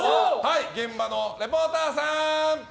現場のリポーターさん！